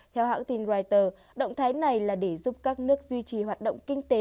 theo hãng tin reuters động thái này là để giúp các nước duy trì hoạt động kinh tế